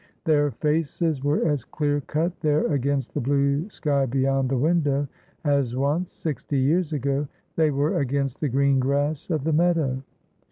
Their faces were as clear cut there against the blue sky beyond the window, as once — sixty years ago — they were against the green grass of the meadow.